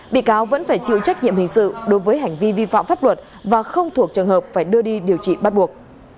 bị cáo vẫn phải chịu trách nhiệm hình sự đối với hành vi vi phạm pháp luật và không thuộc trường hợp phải đưa đi điều trị bắt buộc